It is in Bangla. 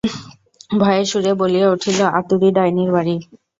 ভয়ের সুরে বলিয়া উঠিল-আতুরী ডাইনির বাড়ি!